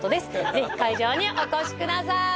ぜひ会場にお越しください